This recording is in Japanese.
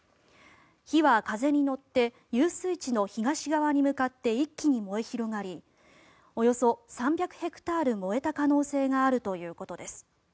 火は風に乗って遊水池の東側に向かって一気に燃え広がりおよそ３００ヘクタール燃えた可能性があるということです。